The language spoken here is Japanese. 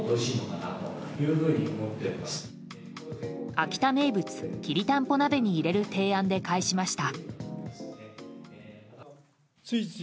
秋田名物きりたんぽ鍋に入れる提案で返しました。